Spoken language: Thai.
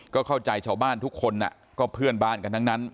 ก็เข้าใจชาวบ้านทุกคนก็เพื่อนบ้านกันทั้งนั้น